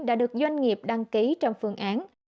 đã được doanh nghiệp đăng ký trong phương án